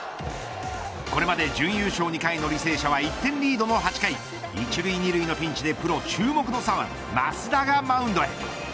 これまで準優勝２回の履正社は１点リードの８回１塁２塁のピンチでプロ注目の左腕増田がマウンドへ。